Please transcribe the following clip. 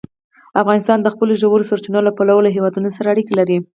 افغانستان د خپلو ژورو سرچینو له پلوه له هېوادونو سره اړیکې لري.